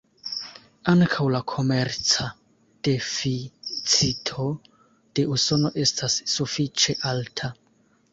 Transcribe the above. Ankaŭ la komerca deficito de Usono estas sufiĉe alta.